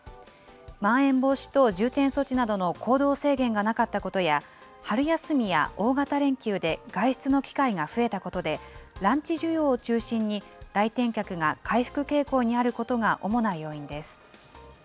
まん延防止等重点措置などの行動制限がなかったことや、春休みや大型連休で外出の機会が増えたことで、ランチ需要を中心に、来店客が回復傾向にあることが主な要因です。